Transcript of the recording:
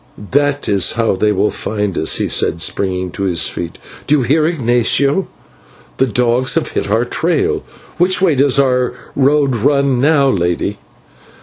"That is how they will find us," he said, springing to his feet. "Do you hear, Ignatio? The dogs have hit our trail. Which way does our road run now, lady?"